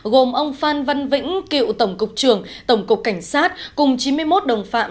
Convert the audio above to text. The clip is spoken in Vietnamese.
gồm ông phan văn vĩnh cựu tổng cục trưởng tổng cục cảnh sát cùng chín mươi một đồng phạm